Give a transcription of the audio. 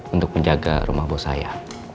untuk menjaga rumah bos saya